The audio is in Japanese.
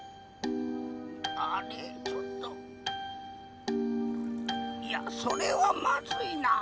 あれちょっといやそれはまずいなぁ。